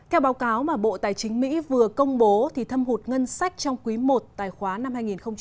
theo báo cáo mà bộ tài chính mỹ vừa công bố thâm hụt ngân sách trong quý i tài khoá năm hai nghìn hai mươi